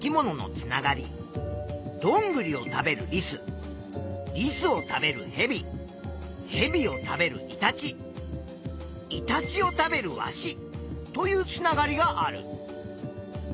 ドングリを食べるリスリスを食べるヘビヘビを食べるイタチイタチを食べるワシというつながりがある。